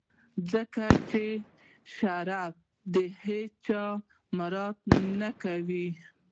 ځکه چي شریعت د هیڅ چا مراعات نه کوي.